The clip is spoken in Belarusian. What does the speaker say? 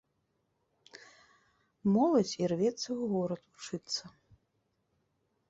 Моладзь ірвецца ў горад вучыцца.